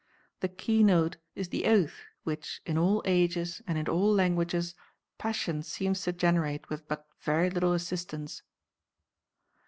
The keynote is the oath which, in all ages and in all languages, passion seems to generate with but very little assistance.